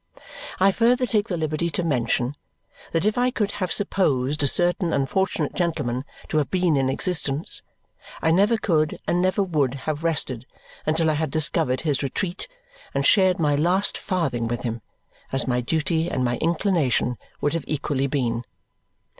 I further take the liberty to mention that if I could have supposed a certain unfortunate gentleman to have been in existence, I never could and never would have rested until I had discovered his retreat and shared my last farthing with him, as my duty and my inclination would have equally been.